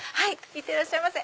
いってらっしゃいませ。